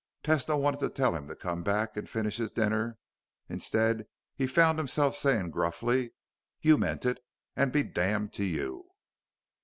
Tesno wanted to tell him to come back and finish his dinner. Instead, he found himself saying gruffly, "You meant it. And be damned to you."